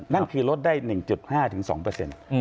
นั่นคือลดได้๑๕๒เปอร์เซ็นต์